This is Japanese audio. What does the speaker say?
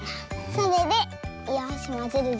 それでよしまぜるぞ。